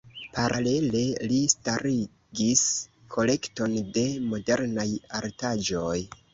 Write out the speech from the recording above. Paralele li startigis kolekton de modernaj artaĵoj.